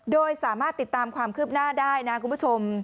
โดยสามารถติดตามความคืบหน้าได้นะคุณผู้ชม